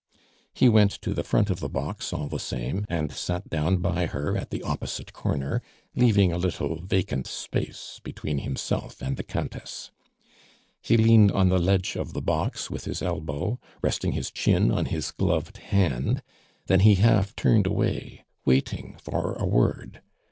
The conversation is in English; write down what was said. He went to the front of the box all the same, and sat down by her at the opposite corner, leaving a little vacant space between himself and the Countess. He leaned on the ledge of the box with his elbow, resting his chin on his gloved hand; then he half turned away, waiting for a word.